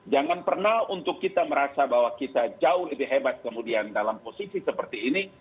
jangan pernah untuk kita merasa bahwa kita jauh lebih hebat kemudian dalam posisi seperti ini